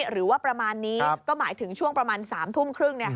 หรือว่าประมาณนี้ก็หมายถึงช่วงประมาณ๓ทุ่มครึ่ง